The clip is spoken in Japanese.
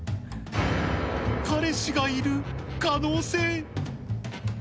彼氏がいる可能性。